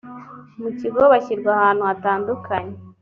mu kigo bashyirwa ahantu hatandukanye